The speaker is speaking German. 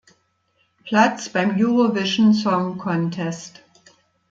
Platz beim Eurovision Song Contest.